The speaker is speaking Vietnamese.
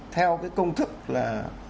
theo cái công thức là một hai ba